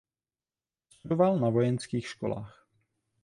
Studoval na vojenských školách.